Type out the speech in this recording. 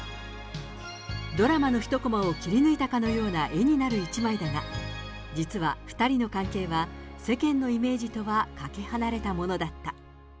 ドラマの一こまを切り抜いたかのような、絵になる一枚だが、実は２人の関係は、世間のイメージとはかけ離れたものだった。